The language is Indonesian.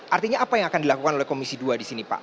artinya apa yang akan dilakukan oleh komisi dua di sini pak